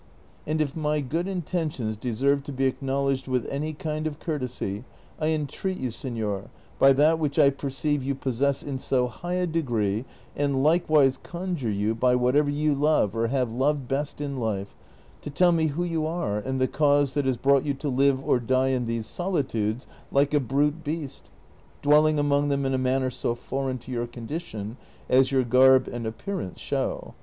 And if my good intentions deserve to be acknowl edged with any kind of courtesy, I entreat you, seiior, by that which I perceive you possess in so high a degree, and likewise conjure you by whatever you love or have loved best in life, to tell me who you are and the cause that has brought you to live or die in these solitudes like a brute beast, dwelling among them in a manner so foreign to your condition as your garb and appearance show.